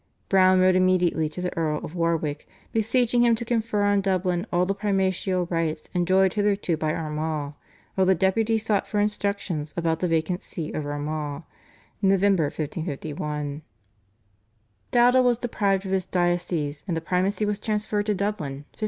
Browne wrote immediately to the Earl of Warwick beseeching him to confer on Dublin all the primatial rights enjoyed hitherto by Armagh, while the Deputy sought for instructions about the vacant See of Armagh (Nov. 1551). Dowdall was deprived of his diocese, and the Primacy was transferred to Dublin (1551).